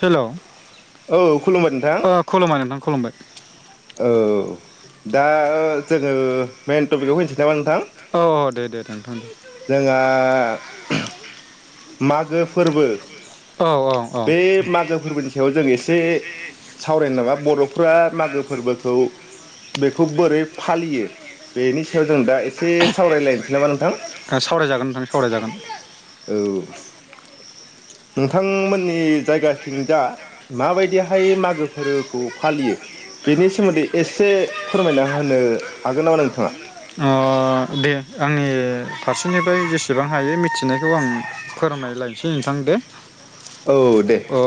हेल' औ खुलुमबाय नोंथां अ खुलुमबाय नोंथां खुलुमबाय औ दा जोङो मेन टपिकआव फैनोसै नामा नों अ दे दे दे [unintelligible] जोंहा मागो फोरबो औ औ औ बे मागो फोरबोनि सायाव जों एसे सावरायनो नामा बर'फ्रा मागो फोरबोखौ बेखौ बोरै फालियो बेनि सायाव जों दा एसे सावरायलायनोसै नामा नोंथां? सावरायजागोन नोंथां सावरायजागोन औ नोंथांमोननि जायगाथिं जा माबायदिहाय मागो फोरबोखौ फालियो बेनि सोमोन्दै एसे फोरमायना होनो हागोन नामा नोंथाङा? ओ दे आंनि फारसेनिफ्राय जेसेबां हायो मिथिनायखौ आं फोरमायलायनोसै नोंथां दे। औ दे अ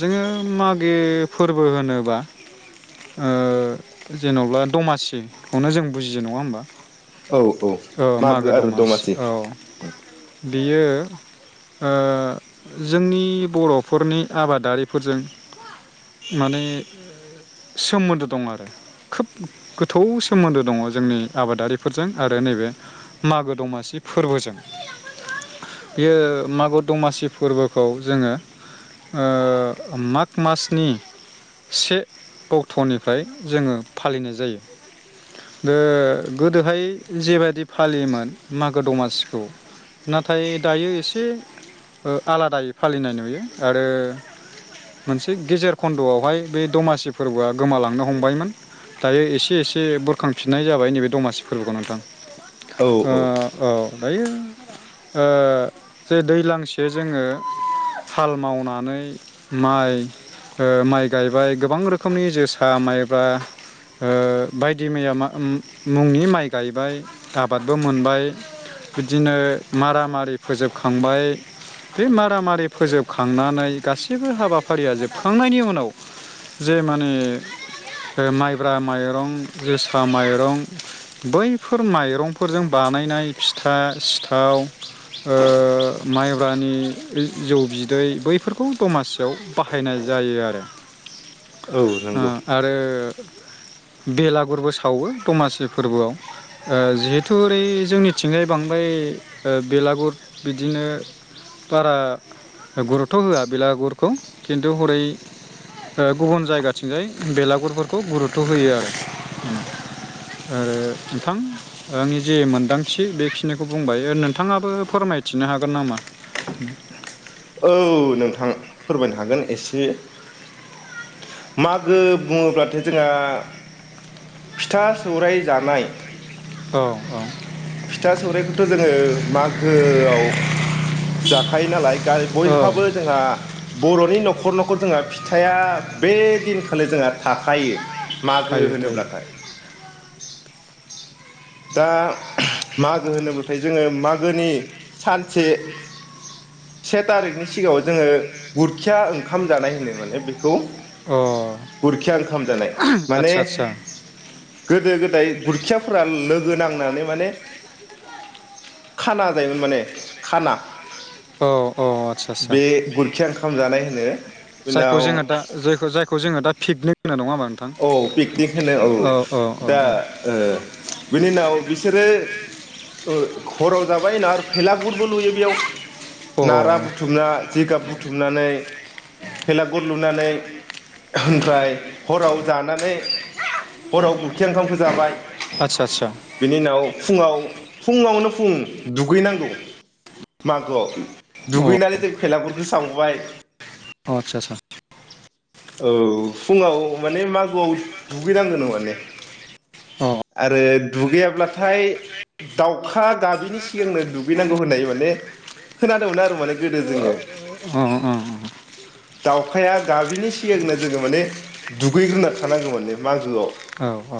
जोङो मागो फोरबो होनोबा ओ जेनबा दमासिखौनो जों बुजियो नङा होमबा? औ औ मागो आरो दमासि। बियो ओ जोंनि बर'फोरनि आबादारिफोरजों माने सोमोन्दो दं आरो खोब गोथौ सोमोन्दो दङ जोंनि आबादारिफोरजों आ रो नैबे मागो दमासि फोरबोजों बेयो मागो दमासि फोरबोखौ जोङो ओ माग मासनि से अक्ट'निफ्राय जोङो फालिनाय जायो। ओ गोदोहाय जेबायदि फालियोमोन मागो दमासिखौ नाथाय दायो एसे ओ आलादायै फालिनाय नुयो आरो मोनसे गेजेर खन्द'आवहाय बे दमासि फोरबोआ गोमालांनो हमबायमोन दायो एसे एसे बुरखांफिननाय जाबाय नैबे दमासि फोरबोखौ नोंथां। ओ औ दायो ओ जे दैलांसे जोङो हाल मावनानै माइ ओ माइ गायबाय गोबां रोखोमनि जोसा माइब्रा ओ बायदि मैया मा-मुंनि माइ गायबाय आबादबो मोनबाय बिदिनो मारामारि फोजोबखांबाय बे मार मारि फोजोबखांनानै गासैबो हाबाफारिया जोबखांनायनि उनाव जे माने माइब्रा माइरं जोसा माइरं बै फोर माइरंफोरजों बानायनाय फिथा सिथाव ओ माइब्रानि जौ बिदै बैफोरखौ दमासियाव बाहायनाय जायो आरो औ नंगौ आरो बेलागुरबो सावो दमासि फोरबोआव ओ जिहेथु ओरै जोंनिथिंहाय बांद्राय बेलागुर बिदिनो बारा गुरत्थ' होआ बेलागुरखौ खिन्थु हरै ओ गुबुन जायगाथिंजाय बेलागुरफोरखौ गुरुत्थ' होयो आरो ओ थां आंनि जे मोनदांथि बेखिनिखौ बुंबाय नोंथाङाबो फोरमायथिनो हागोन नामा? औ नोंथां फोरमायनो हागोन एसे मागो बुङोब्लाथाय जोंहा फिथा सौराय जानाय औ औ फिथा सौराइखौथ' जोङो मागोआव जाखायो नालाय औ बयहाबो जोंहा बर'नि न'खर न'खर न'खर जोंहा फिथाइआ बे दिनखालि जोंहा थाखायो। मागो थायो थायो होनोब्लाथाय। दा। मागो होनोब्लाथाय जोङो मागोनि सानसे से थारिखनि सिगाङाव जोङो गुरखिया ओंखाम जानाय होनो माने -् अ गुरखि ओंखाम जानाय माने आदसा आदसा गोदो गो गोदाय गुरखियाफोरा लोगो नांनानै माने। खाना जायोमोन माने खाना। औ औ आतसा आतचा बे गुरखिया ओंखाम जानाय होनो जायखौ उनाव जोङो दा जायखौ जोङो दा फिकनिक होनो नङा नोंथां औ पिकनिक होनो औ औ औ दा बिनि उनाव बिसोरो खराव जाबाय ना आरो फेलागुरबो लुयो बेयाव। औ अ नारा बुथुमना। जिगाब बुथुमनानै फेलागर लुनानै ओमफ्राय हराव जानानै। हराव गुरखि ओंखामखौ जाबाय आदसा आदसा बिनि उनाव फुङाव फुङावनो फुं दुगैनांगौ मागोआव। अ दुगैनानै जों फेलागुरखौ सावबाय। अ आतसा आतसा। औ फुङाव। माने मागोआव दुगैनांगोन माने। अ आरो दुगैयाब्लाथाय दाउ खा। गाबिनि सिगांनो दुगैनांगौ होननाय माने खोनादोंमोन आरो माने गोदो जोङो अ दाउखाया गाबिनि सिगांनो जोङो माने दुगैग्रोना थानांगौमोन मागोआव अ औ औ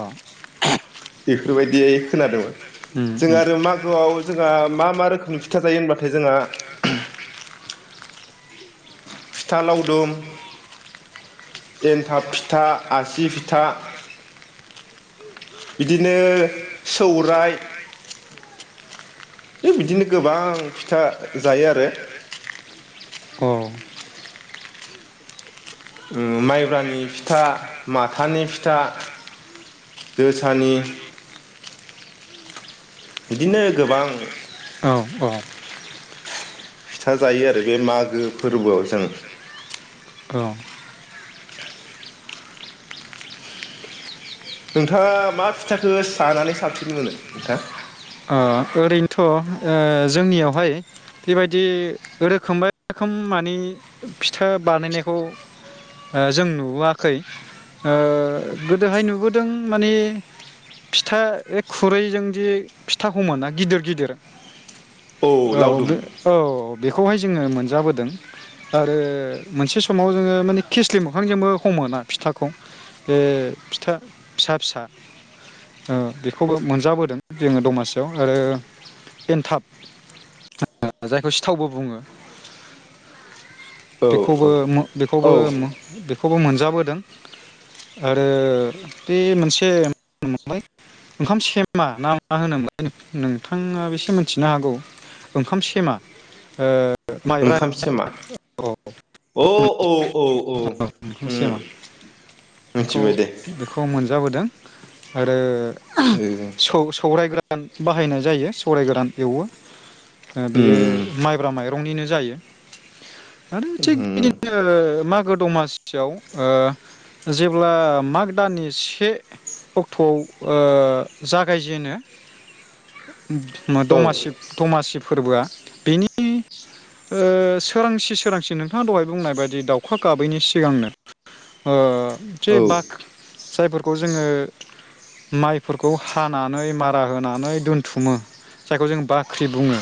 बे बेबायदि खोनादोंमोन। उम जों उम आरो मागोआव जोंहा मा मा रोखोमनि होनबाथाय जोंहा -् फिथा लावदुम एन्थाब फिथा आसि फिथा बिदिनो सौराय। है बिदिनो गोबां फिथा जायो आरो। औ माइब्रानि फिथा, माथानि फिथा, जोसानि बिदिनो गोबां। औ फिथा जायो आरो बे मागो फोरबोआव जों। औ नोंथाङा मा फिथाखौ जानानै साबसिन मोनो नोंथां? ओ ओरैनोथ' जोंनियावहाय बेबायदि रोखोम रोखोम माने फिथा बानायनायखौ जों नुबोआखै गोदोहाय नुबोदों माने फिथा खुरैजोंदि फिथा हमोना गिदिर गिदिर। औ बे औ। बेखौहाय जोङो मोनजाबोदों आरो मोनसे समाव जोङो माने खिस्लि मोखांजोंबो हमोना फिथाखौ बे फिथा फिसा फिसा ओ बेखौबो मोनजाबोदों जोङो दमासि। आरो एन्थाब जायखौ सिथावबो बुङो। औ बेखौबो औ मो बेखौबो औ मो बेखैबो मोनजाब। बोदों आरो बे मोनसे मा होनबाय ओंखाम सेमा ना मा होनोमोन लाय। नोंथाङा एसे मिथिनो हागौ ओंखाम सेमा। माइब्रा ओंखाम समा औ औ औ औ ओंखाम सेमा बेखौ मिथिबाय दे। बेखौ मोनजाबोदों आरो। ओ सौसौ। सावरायग्रा। गोदान बाहायनाय जायो सौराय गोरान एवो। बियो उम माइब्रा माइ। रंनिनो जायो। आरो थिग उम बिदिनो मा। मागो दमासियाव ओ जेब्ला माग दाननि से अक्ट'आव ओ जागायजेनो। [inaudible] माइ औ दमासि दमासि फोरबोआ। बेनि। ओ सोरांसि सोरांसि नोंथाङा दहाय बुंनाय बायदि दाउखा गाबैनि सिगांनो ओ। औ जे बाख। जायफोरखौ जोङो माइफोरखौ हानानै मारा होनानै दोनथुमो जायखौ जों बाख्रि बुङो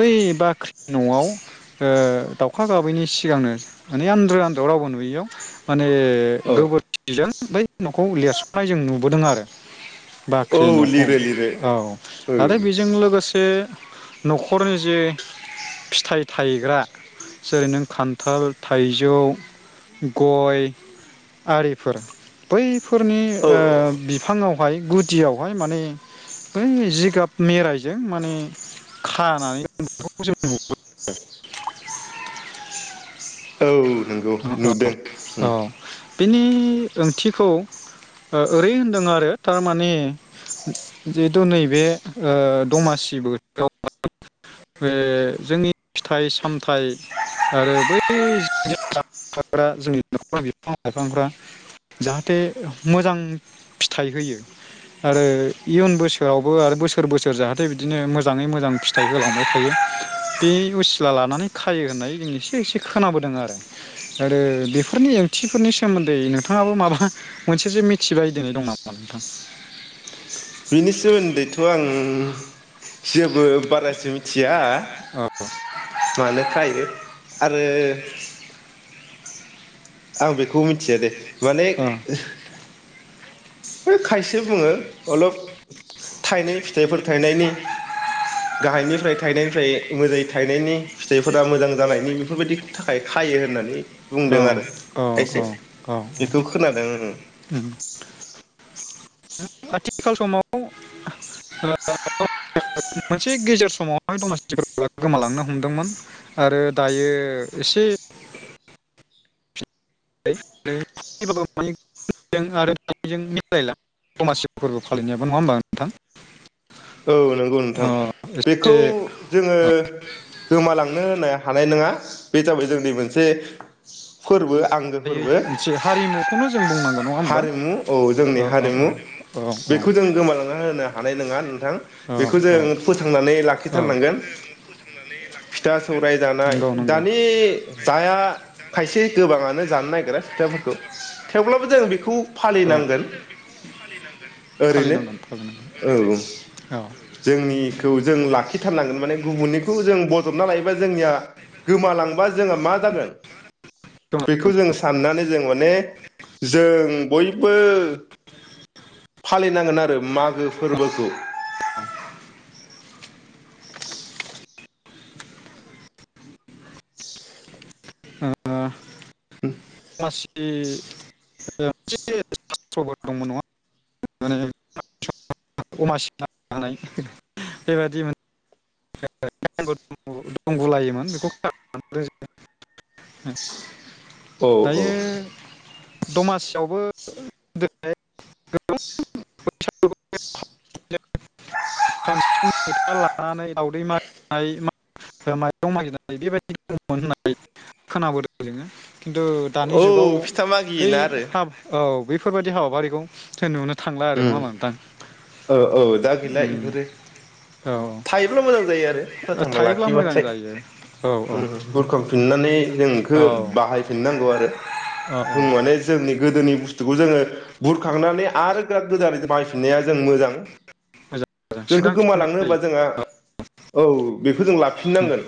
बै बाख्रि न'आव। दाउखा गाबैनि सिगांनो माने आन्द्र आन्द्र रावबो नुयैयाव माने। माने औ गोबोरखिजों। बै न'खौ लिरस'नाय जों नुबोदों आरो। औ बाख्रि न'खौ लिरो लिरो औ औ आरो बेजों लोगोसे। न'खरनि जे फिथाइ। थाइग्रा जेरै नों खान्थाल थाइजौ गय आरिफोर बै। फोरनि ओ औ बि। बिफाङावहाय गुदियावहाय माने बै जिगाब मेरायजों माने खानानैखौ जों नुबो दों। औ नंगौ औ नुदों उम औ बिनि ओंथिखौ ओरै होनदों आरो थारमाने जिहेथु नैबे दमासि बोथोराव बे जोंनि फिथाइ सामथाइ आरो बै। ग्रा जोंनि न'खर बिफां लाइफांफ्रा जाहाथे मोजां फिथाइ होयो आरो इयुन बोसोरावबो आरो बोसोर बोसोर जाहाथे बिदिनो मोजाङै मोजां फिथाइ होलांबाय थायो बे उसिला लानानै खायो होननाय जों एसे एसे खोनाबोदों आरो। आरो बेफोरनि ओंथिफोरनि सोमोन्दै नोंथाङाबो माबा मोनसेसो मिथिबाय दि दं नामा नोंथां। बिनिसोमोनदै। थ' आं। जेबो बारासो मिथिया औ आंबो मानो खायो। आरो आं बेखौ मिथिया दे। माने। औ है खायसे बुङो अलप थायनै फिथाइफोर थायनायनि गाहायनिफ्राय थायनायनिफ्राय मोजाङै थायनायनि फिथाइफोरा मोजां जानायनि बेफोरबायदि थाखाय खायो होननानै बुंदों आरो औ खायसे औ बेखौ खोनादों आङो। औ आथिखाल समाव ओ [unintelligible] मोनसे गेजेर समावहाय दमासि गोमालांनो हमदोंमोन आरो दायो एसे [unintelligible] मिलायला दमासि फोरबो फालिनायाबो नङा होमबा नोंथां? औ नंगौ नोंथां ओ, एसे बेखौ जोङो ओ, गोमालांनो होनो हानाय नङा। बे जाबाय जोंनि मोनसे फोरबो। दायो आंगोफोरबो मोनसे हारिमुखौनो जों बुंनांगोन नङा होमबा हारिमु औ जोंनि औ औ हारिमु औ बेखौ जों गोमालांना होनो हानाय नङा। औ बेखौ जों फोथांनानै औ लाखिथारनांगोन फिथा सौराय जानाय नंगौ नंगौ दानि जाया खायसे गोबाङा मानो जानो नागिरा खोथाफोरखौ थेवब्लाबो जों बेखौ औ फालिनांगोन ओरैनो फालिनांगोन फालिनांगोन औ औ। औ जोंनिखौ जों लाखिथारनांगोनमोन। गुबुननिखौ जों बजबना लायोबा जोंनिया गोमालांबा जोंहा मा जागोन दङ बेखौ जोंस साननानै जों माने जों बयबो फालिनांगोन आरो मागो फोरबोखौ। [unintelligible] अमासि मोनसे सत्रबो दंमोन नङा [unintelligible] अमासि [unintelligible] बेबायाददि मोन [unintelligible] दंबलायोमोन बेखौ औ [unintelligible] औ दायो दमासियावबो [unintelligible] लानानै दावदै मागिनाय [unintelligible] माइरं मागिनाय बेबायदि दंमोन होननानै खोनाबोदों जोङो खिन्थु दानि औ जुगाव फिथा बै मागियोना आरो हाब औ बे बेफोरबायादि हाबाफारिखौ जों नुनो थांला आरो उम नङा होनबा नोंथां औ औ दा गैला उम इफोरो। औ ब्ला मोजां जायो आरो औ फोथांना थायोब्ला मोजां लाखियोबथाय जायो औ ओम बुरखांफिननानै जों खो औ बाहायफिननाय नांगौ आरो। औ बुं माने जोंनि गोदोनि बुस्थु स्थुखौ जोङो बुरखांनानै औ आरो गोदानै बायफिननाया जों मोजां। मोजां जोंखौ गोमालांनो सोदांफिननाय होबा जायो जोंहा औ बेखौ जों लाफिननांगोन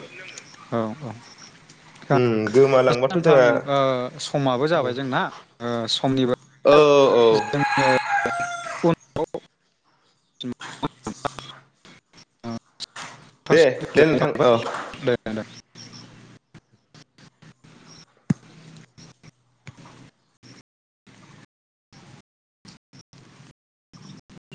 औ उम औ गोमालांबाथ' नोंथां जोंहा समाबो जाबाय जोंना समनिबो औ औ [unintelligible] [unintelligible] दे दे थाबाय नोंथां ओ। दे दे